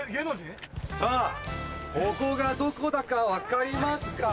さぁここがどこだか分かりますか？